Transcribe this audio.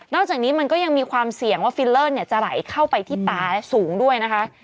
จากนี้มันก็ยังมีความเสี่ยงว่าฟิลเลอร์จะไหลเข้าไปที่ตาสูงด้วยนะคะ